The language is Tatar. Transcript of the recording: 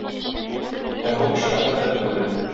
Һәм бу очраклы хәл түгел.